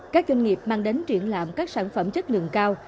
các doanh nghiệp mang đến triển lãm các sản phẩm chất lượng cao